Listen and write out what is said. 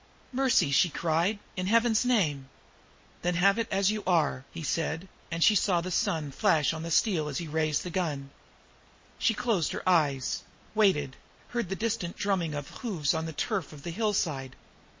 "Mercy!" she cried. "In Heaven's name " "Then have it as you are!" he said, and she saw the sun flash on the steel, and he raised the gun. She closed her eyes waited heard the distant drumming of hoofs on the turf of the hillside.